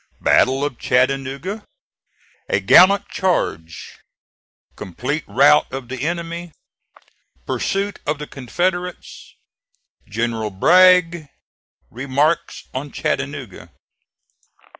BATTLE OF CHATTANOOGA A GALLANT CHARGE COMPLETE ROUT OF THE ENEMY PURSUIT OF THE CONFEDERATES GENERAL BRAGG REMARKS ON CHATTANOOGA.